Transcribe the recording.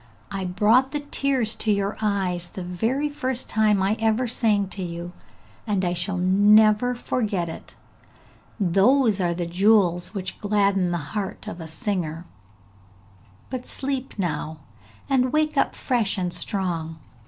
'I brought the tears to your eyes, the very first time I ever sang to you, and I shall never forget it! Those are the jewels which gladden the heart of a singer; but sleep now, and wake up fresh and strong!